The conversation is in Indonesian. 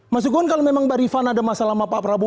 masukkan kalau memang barifan ada masalah sama pak prabowo